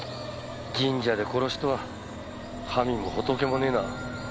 神社で殺しとは神も仏もねえな。